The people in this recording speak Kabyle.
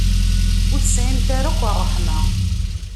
Ur tesɛimt ara akk ṛṛeḥma.